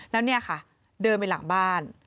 แล้วเนี่ยค่ะเดินไปหลังบ้าน